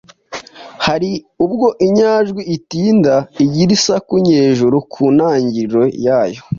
Hari ubwo inyajwi itinda igira isaku nyejuru ku ntangiriro yayo